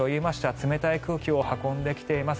冷たい空気を運んできています。